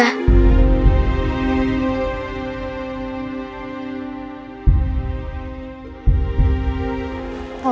semoga bening baik baik aja